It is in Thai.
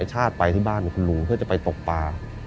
ชาติไปที่บ้านคุณลุงเพื่อจะไปตกปลา